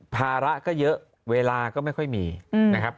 ภาระก็เยอะเวลาก็ไม่ค่อยมีนะครับ